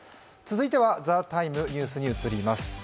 続いては、「ＴＨＥＴＩＭＥ，ニュース」に移ります。